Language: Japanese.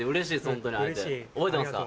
ホントに会えて覚えてますか？